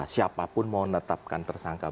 siapapun mau menetapkan tersangka